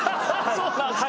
そうなんですか？